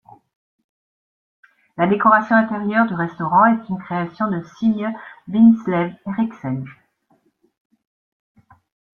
La décoration intérieure du restaurant est une création de Signe Bindslev-Henriksen.